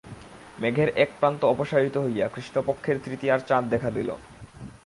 মেঘের এক প্রান্ত অপসারিত হইয়া কৃষ্ণপক্ষের তৃতীয়ার চাঁদ দেখা দিল।